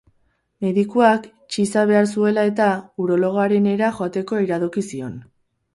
Medikuak, txiza behar zuela-eta, urologoarenera joateko iradoki zion.